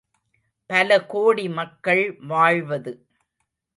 பலகோடி மக்கள் வாழ்வது.